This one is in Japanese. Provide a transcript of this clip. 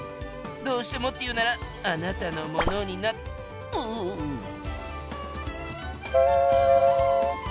どうしてもっていうならあなたのものになうう。